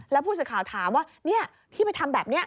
แล้วผู้สื่อข่าวถามว่าที่ไปทำแบบนี้